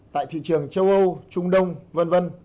tại thị trường châu âu trung đông v v